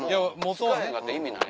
使わへんかったら意味ない。